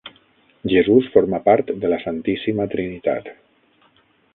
Jesús forma part de la Santíssima Trinitat.